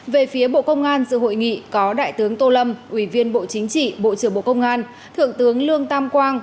về phía bộ công an sự hội nghị có đại tướng tô lâm ủy viên bộ chính trị bộ trưởng bộ công an thượng tướng lương tam quang